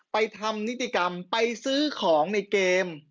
ไปทำนิติกรรมไปซื้อของในเกม